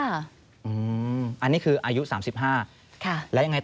อันนี้คืออายุ๓๕ค่ะ